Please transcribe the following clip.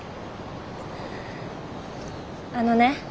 あのね。